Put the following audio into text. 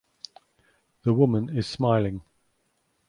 The woman is smiling.